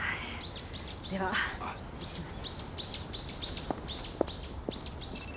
では失礼します。